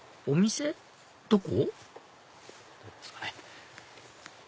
どこ？